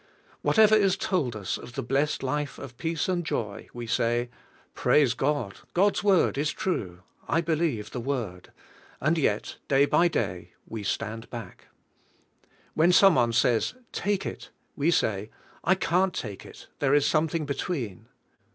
Whatever is told us of the blessed life of peace and joy,\ve say," Praise God; God's Word is true; I believe the Word;" and yet, day by day, we stand back. When some one says, "Take it," we say, "I can't take it; there is something be tween."